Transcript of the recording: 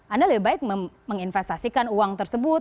anda lebih baik menginvestasikan uang tersebut